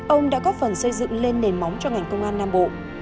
ông đã góp phần xây dựng lên nền móng cho ngành công an nam bộ